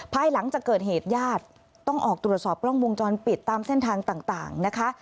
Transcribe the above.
ภายหลังจากเกิดเหตุญาติต้องออกตรวจสอบกล้องวงจรปิดตามเส้นทางต่างนะคะ